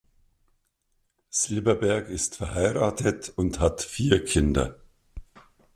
Silberberg ist verheiratet und hat vier Kinder.